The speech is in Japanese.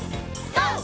ＧＯ！